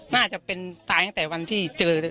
น่าจะเป็นตายตั้งแต่วันที่เจอเลย